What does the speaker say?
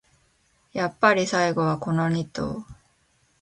やっぱり最後はこのニ頭